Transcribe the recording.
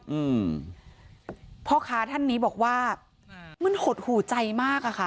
อืมพ่อค้าท่านนี้บอกว่ามันหดหูใจมากอ่ะค่ะ